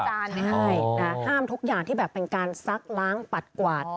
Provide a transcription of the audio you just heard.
ใช่ห้ามทุกอย่างที่แบบเป็นการซักล้างปัดกวาด